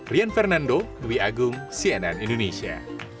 rian fernando dwi agung cnn indonesia